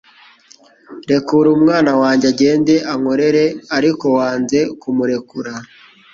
rekura umwana wanjye agende ankorere, ariko wanze kumurekura;